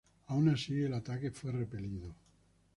Aun así, el ataque fue repelido.